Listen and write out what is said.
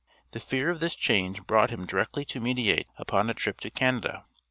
The fear of this change brought him directly to meditate upon a trip to Canada.